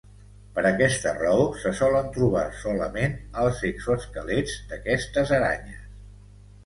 Per aquesta raó se solen trobar solament els exoesquelets d'aquestes aranyes.